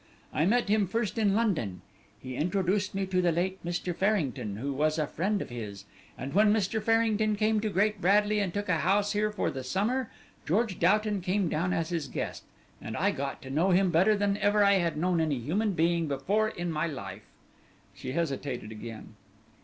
I met him first in London; he introduced me to the late Mr. Farrington, who was a friend of his, and when Mr. Farrington came to Great Bradley and took a house here for the summer, George Doughton came down as his guest, and I got to know him better than ever I had known any human being before in my life." She hesitated again.